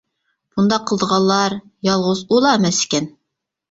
بۇنداق قىلىدىغانلار يالغۇز ئۇلا ئەمەس ئىكەن.